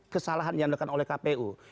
kesalahan yang dilakukan oleh kpu